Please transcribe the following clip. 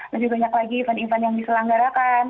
lebih banyak lagi event event yang diselanggarakan